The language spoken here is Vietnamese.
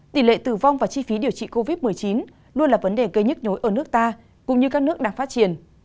tỷ lệ tử vong và chi phí điều trị covid một mươi chín luôn là vấn đề gây nhức nhối ở nước ta cũng như các nước đang phát triển